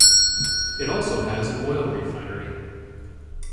It also has an oil refinery.